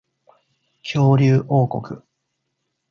恐竜王国